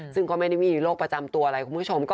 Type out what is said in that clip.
ซึ่งก็ไม่ได้มีโรคประจำตัวอะไรคุณผู้ชม